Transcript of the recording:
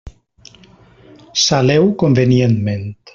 Saleu convenientment.